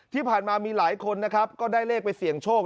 ที่ผ่านมามีหลายคนนะครับก็ได้เลขไปเสี่ยงโชค